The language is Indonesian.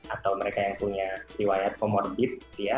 atau mereka yang punya riwayat comorbid ya